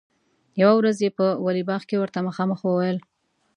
یوه ورځ یې په ولي باغ کې ورته مخامخ وویل.